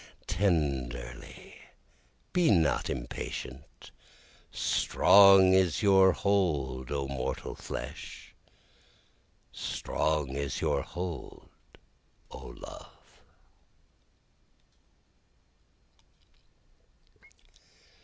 Tenderly be not impatient, (Strong is your hold O mortal flesh, Strong is your hold O love.)